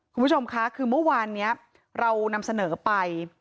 คุณผู้ชมคะคือเมื่อวานนี้เรานำเสนอไป